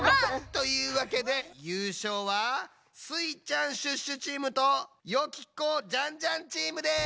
というわけでゆうしょうはスイちゃん＆シュッシュチームとよき子＆ジャンジャンチームです！